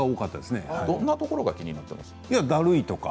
どんなところが気になりますか？